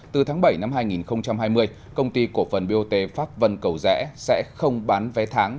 từ tháng bảy năm hai nghìn hai mươi công ty cổ phần bot pháp vân cầu rẽ sẽ không bán vé tháng